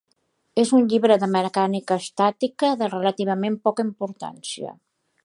És un llibre de mecànica estàtica de relativament poca importància.